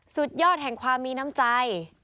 สุดยอดแห่งความมีน้ำใจ